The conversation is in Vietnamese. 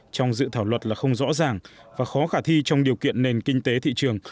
trong dự thảo luật là không rõ ràng và khó khả thi trong điều kiện nền kinh tế thị trường